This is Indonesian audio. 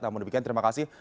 namun demikian terima kasih